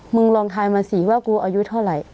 มึงลองทายมาสิว่ากูอายุเท่าไหร่